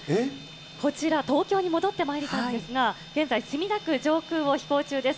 こちら、東京に戻ってまいったんですが、現在、墨田区上空を飛行中です。